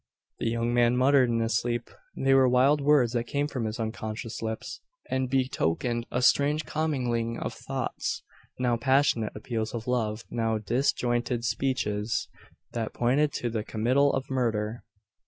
The young man muttered in his sleep. They were wild words that came from his unconscious lips, and betokened a strange commingling of thoughts: now passionate appeals of love now disjointed speeches, that pointed to the committal of murder!